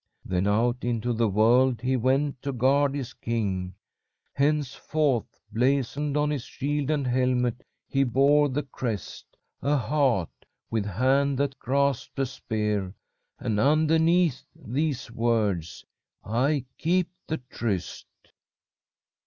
Then out into the world he went to guard his king. Henceforth blazoned on his shield and helmet he bore the crest a heart with hand that grasped a spear, and, underneath these words: "_'I keep the tryst!'